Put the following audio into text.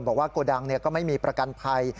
บอกว่าโกดังก็ไม่มีประกันภัย